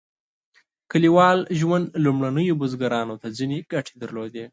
کلیوال ژوند لومړنیو بزګرانو ته ځینې ګټې درلودې.